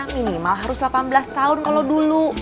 minimal harus delapan belas tahun kalau dulu